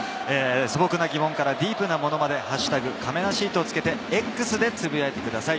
素朴な疑問からディープなものまで、「＃かめなシート」をつけて、Ｘでつぶやいてください。